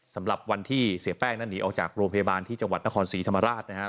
สำหรับวันที่เสียแป้งนั้นหนีออกจากโรงพยาบาลที่จังหวัดนครศรีธรรมราชนะครับ